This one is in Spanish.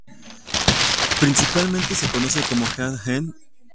Principalmente se conoce como head-end.